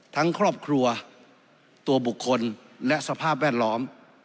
ทั้งครอบครัวตัวบุคคลและสภาพแวดล้อม